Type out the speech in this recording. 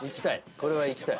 これはいきたい。